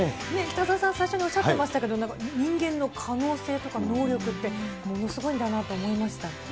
北澤さん、最初におっしゃってましたけど、人間の可能性とか能力って、ものすごいんだなと思いました。